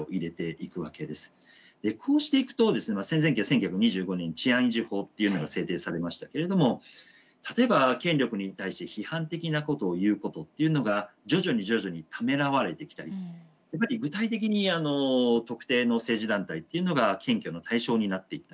こうしていくとですね戦前期は１９２５年「治安維持法」っていうのが制定されましたけれども例えば権力に対して批判的なことを言うことっていうのが徐々に徐々にためらわれてきたり具体的に特定の政治団体っていうのが検挙の対象になっていったり。